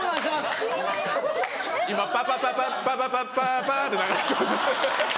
今「パパパパパパパッパパ」って流れてる。